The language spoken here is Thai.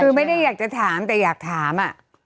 คือไม่ได้อยากจะถามแต่อยากถาม